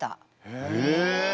へえ！